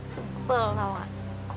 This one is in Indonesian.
sebel tahu nggak